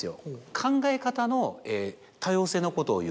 考え方の多様性のことをいう。